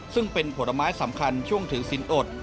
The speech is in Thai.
ซึ่งเป็นผลไม้สำคัญช่วงถือสินอด